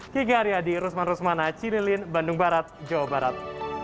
kiki aryadi rusman rusmana cililin bandung barat jawa barat